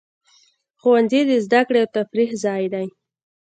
ښوونځی د زده کړې او تفریح ځای دی.